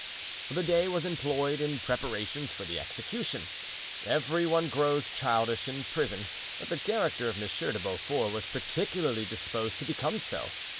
The day was employed in preparations for the execution. Every one grows childish in prison, but the character of Monsieur de Beaufort was particularly disposed to become so.